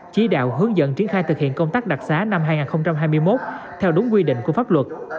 chỉ đạo hướng dẫn triển khai thực hiện công tác đặc sá năm hai nghìn hai mươi một theo đúng quy định của pháp luật